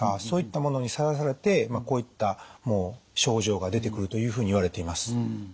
そういったものにさらされてこういった症状が出てくるというふうにいわれています。